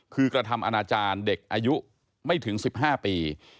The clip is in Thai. คือกระทำอนาจารย์เด็กอายุไม่ถึง๑๕ปี